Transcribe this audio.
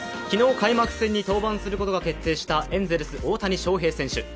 昨日開幕戦に登板することが決定したエンゼルス・大谷翔平選手。